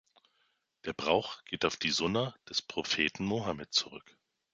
Der Brauch geht auf die Sunna des Propheten Mohammed zurück.